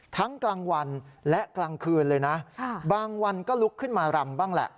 กลางวันและกลางคืนเลยนะบางวันก็ลุกขึ้นมารำบ้างแหละ